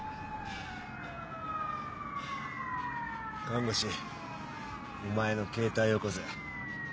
看護師お前の携帯よこせ。